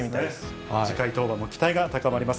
次回登板も期待が高まります。